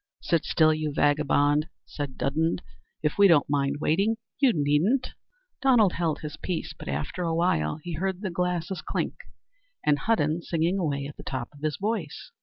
"Sit still, you vagabond," said Dudden; "if we don't mind waiting, you needn't." Donald held his peace, but after a while he heard the glasses clink, and Hudden singing away at the top of his voice.